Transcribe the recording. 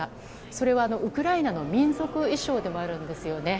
それはウクライナの民族衣装でもあるんです。